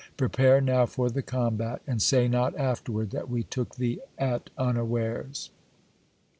Prepare now for the combat, and say not afterward that we took thee at unawares."